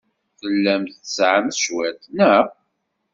Tellamt tesɛamt cwiṭ, naɣ?